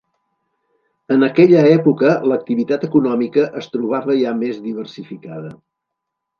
En aquella època l'activitat econòmica es trobava ja més diversificada.